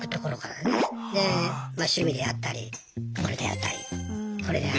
でまあ趣味であったりこれであったりこれであったり。